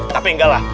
tapi enggak lah